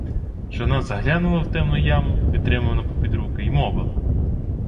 Жона заглянула в темну яму, підтримувана попід руки, й мовила: